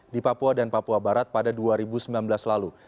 di papua dan papua barat pada dua ribu sembilan belas lalu